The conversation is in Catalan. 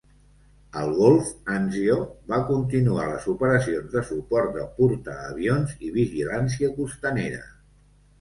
Al golf, "Anzio" va continuar les operacions de suport de portaavions i vigilància costanera.